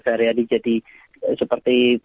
sehari hari jadi seperti